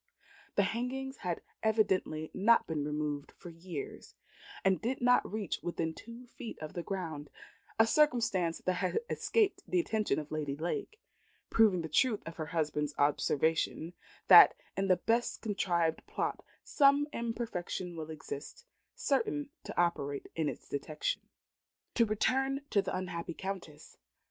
The hangings had evidently not been removed for years, and did not reach within two feet of the ground a circumstance that had escaped the attention of Lady Lake proving the truth of her husband's observation, that in the best contrived plot some imperfection will exist certain to operate in its detection. To return to the unhappy Countess.